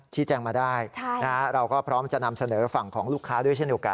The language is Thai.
แจ้งมาได้เราก็พร้อมจะนำเสนอฝั่งของลูกค้าด้วยเช่นเดียวกัน